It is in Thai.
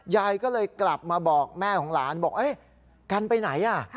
ยายก็เลยกลับมาบอกแม่ของหลานบอกกันไปไหนอ่ะ